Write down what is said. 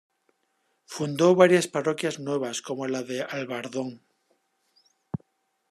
Fundó varias parroquias nuevas, como la de Albardón.